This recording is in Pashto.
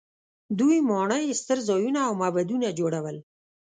دوی ماڼۍ، ستر ځایونه او معبدونه جوړول.